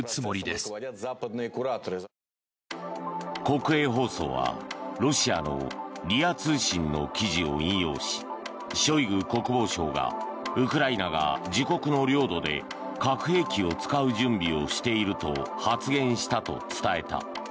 国営放送は、ロシアのＲＩＡ通信の記事を引用しショイグ国防相がウクライナが自国の領土で核兵器を使う準備をしていると発言したと伝えた。